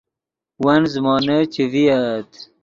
ون زیمونے چے ڤییت